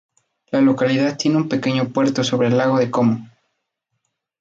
La localidad tiene un pequeño puerto sobre el Lago de Como.